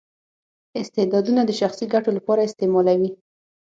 استعدادونه د شخصي ګټو لپاره استعمالوي.